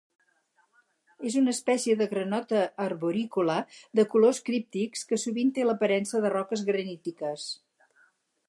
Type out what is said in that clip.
És una espècie de granota arborícola de colors críptics, que sovint té l'aparença de roques granítiques.